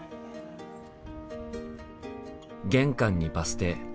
玄関にバス停。